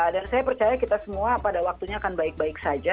dan saya percaya kita semua pada waktunya akan baik baik saja